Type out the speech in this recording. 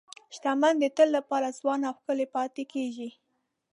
شتمن د تل لپاره ځوان او ښکلي پاتې کېږي.